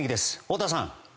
太田さん。